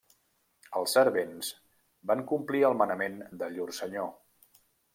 Els servents van complir el manament de llur senyor.